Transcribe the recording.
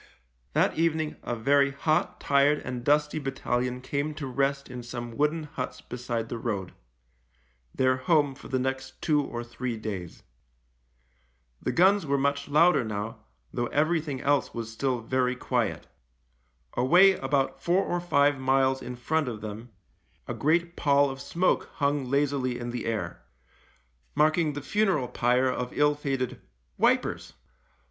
That evening a very hot, tired, and dusty battalion came to rest in some wooden huts beside the road — their home for the next two or three days. The guns were much louder now, though everything else was still very quiet. Away about four or five miles in front of them a great pall of smoke hung lazily in the air — marking the funeral pyre of ill fated " Wipers."